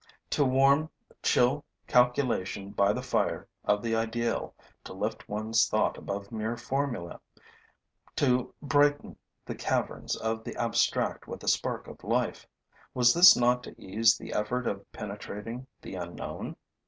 To warm chill calculation by the fire of the ideal, to lift one's thought above mere formulae, to brighten the caverns of the abstract with a spark of life: was this not to ease the effort of penetrating the unknown?